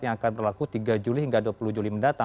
yang akan berlaku tiga juli hingga dua puluh juli mendatang